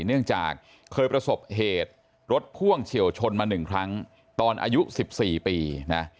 เนื่องจากเคยประสบเหตุรถพ่วงเฉียวชนมา๑ครั้งตอนอายุ๑๔ปีนะ